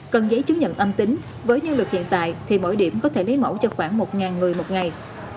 cần giấy chứng nhận âm tính với nhân lực hiện tại thì mỗi điểm có thể lấy mẫu cho khoảng một người một ngày